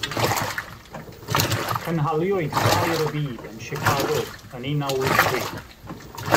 Cynhaliwyd Ffair y Byd yn Chicago yn un naw wyth tri.